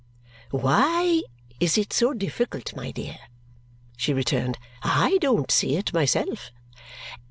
"Why is it so difficult, my dear?" she returned. "I don't see it myself."